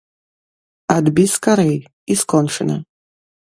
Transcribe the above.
Адбі скарэй, і скончана.